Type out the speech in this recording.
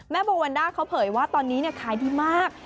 โบวันด้าเขาเผยว่าตอนนี้ขายดีมาก